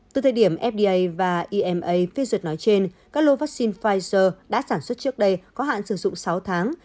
từ thời điểm fda và ima phê duyệt nói trên các lô vaccine pfizer đã sản xuất trước đây có hạn sử dụng sáu tháng